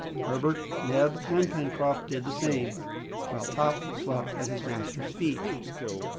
Herbert, Neb, and Pencroft did the same, while Top slept at his master's feet.